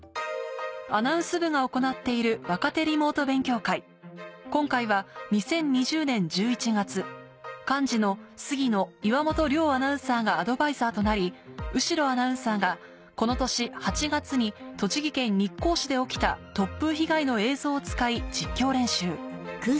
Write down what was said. アナウンス部が行っている今回は２０２０年１１月幹事の杉野岩本両アナウンサーがアドバイザーとなり後呂アナウンサーがこの年８月に栃木県日光市で起きた突風被害の映像を使い実況練習